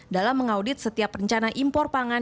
dalam mengaudit setiap rencana impor pangan